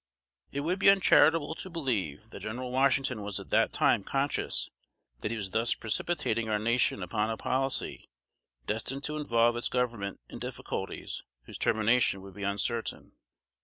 It would be uncharitable to believe, that General Washington was at that time conscious that he was thus precipitating our nation upon a policy destined to involve its government in difficulties, whose termination would be uncertain.